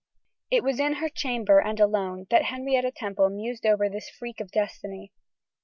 It was in her chamber and alone, that Henrietta Temple mused over this freak of destiny.